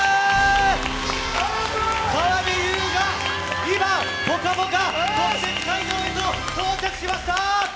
澤部佑が今「ぽかぽか」特設会場へと到着しました！